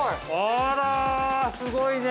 ◆あら、すごいね。